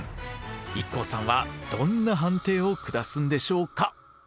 ＩＫＫＯさんはどんな判定を下すんでしょうか？